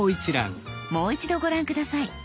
もう一度ご覧下さい。